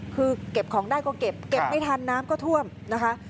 คือเก็บของได้ก็เก็บเก็บไม่ทันน้ำก็ท่วมนะคะ